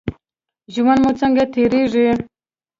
ژوند مو څنګه تیریږي؟